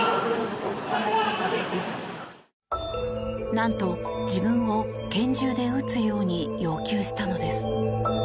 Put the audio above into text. なんと自分を拳銃で撃つように要求したのです。